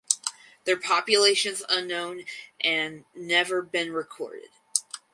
Their population is unknown an never been recorded.